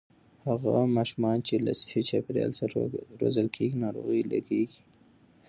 هغه ماشومان چې له صحي چاپېريال سره روزل کېږي، ناروغۍ لږېږي.